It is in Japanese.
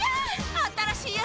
新しいやつ！